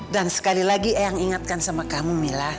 dan sekali lagi eyang ingatkan sama kamu mila